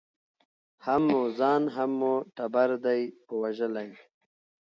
هم مو ځان هم مو ټبر دی په وژلی